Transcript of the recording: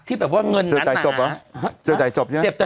เจอจ่ายจบ้ะ